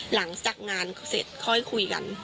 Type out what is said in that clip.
หลังจากงานเสร็จค่อยคุยกัน